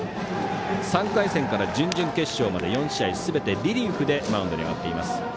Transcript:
３回戦から準々決勝まで４試合すべてリリーフでマウンドに上がっています。